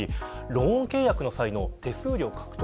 ローン契約の際の手数料獲得